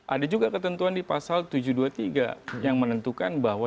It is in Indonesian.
ada juga ketentuan di pasal tujuh ratus dua puluh tiga yang menentukan bahwa